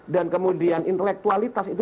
dan kemudian intelektualitas itu